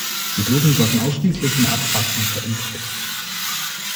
Die Dosen sollten ausschließlich in Arztpraxen verimpft werden.